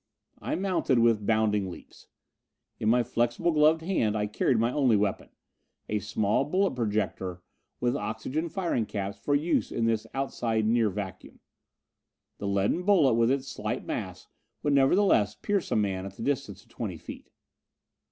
I mounted with bounding leaps. In my flexible gloved hand I carried my only weapon, a small bullet projector with oxygen firing caps for use in this outside near vacuum. The leaden bullet with its slight mass would nevertheless pierce a man at the distance of twenty feet.